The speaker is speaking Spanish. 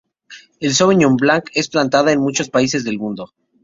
La sauvignon blanc es plantada en muchos países del mundo.